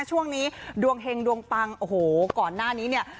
ช่วงนี้ดวงเฮงดวงปังโอ้โหก่อนหน้านี้เนี่ย